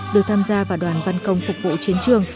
được tham gia vào đoàn văn công phục vụ chiến trường